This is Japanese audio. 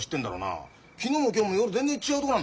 昨日も今日も夜全然違う所なんだぜ。